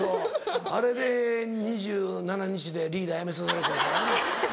あれで２７日でリーダーやめさせられてんからな。